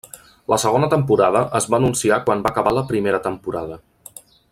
La segona temporada es va anunciar quan va acabar la primera temporada.